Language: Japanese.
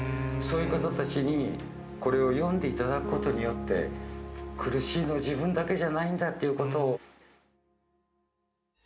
そういう方たちに、これを読んでいただくことによって、苦しいのは自分だけじゃないんだっていうことを。